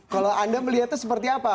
kalau anda melihatnya seperti apa